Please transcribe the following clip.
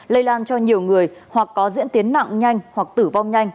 lây lan cho nhiều người hoặc có diễn tiến nặng nhanh hoặc tử vong nhanh